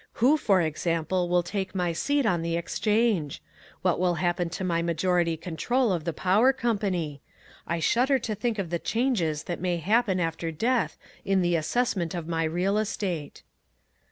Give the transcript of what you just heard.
Who for example will take my seat on the Exchange? What will happen to my majority control of the power company? I shudder to think of the changes that may happen after death in the assessment of my real estate."